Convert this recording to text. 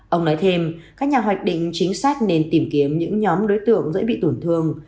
ông nói thêm các nhà hoạch định chính sách nên tìm kiếm những nhóm đối tượng dễ bị tổn thương